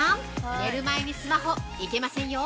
寝る前にスマホ、いけませんよ！